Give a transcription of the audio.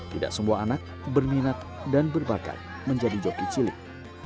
tidak semua anak berminat dan berbakat menjadi joki cilik